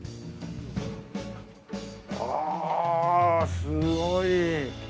ああすごい！